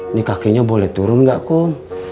ini kakinya boleh turun gak kum